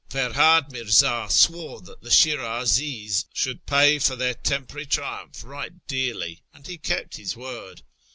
Ferhad Mirza swore that the Shirazis should pay for their temporary triumph right dearly, and he kept his word.